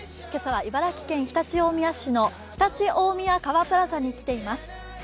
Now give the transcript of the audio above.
今朝は茨城県常陸大宮市の常陸大宮かわプラザに来ています。